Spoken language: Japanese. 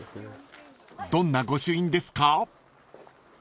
［どんな御朱印ですか？］